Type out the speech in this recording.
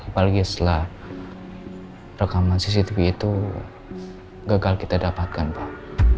apalagi setelah rekaman cctv itu gagal kita dapatkan pak